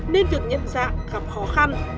nên việc nhận dạng gặp khó khăn